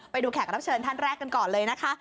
แขกรับเชิญท่านแรกกันก่อนเลยนะคะ